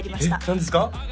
何ですか？